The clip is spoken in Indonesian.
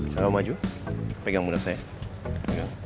saya mau maju pegang muda saya